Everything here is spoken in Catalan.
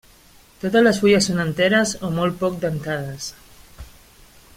Totes les fulles són enteres o molt poc dentades.